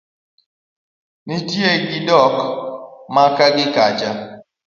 nitie gi dok maka gi kacha.